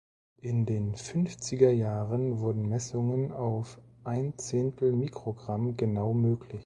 In den Fünfzigerjahren wurden Messungen auf ein Zehntel Mikrogramm genau möglich.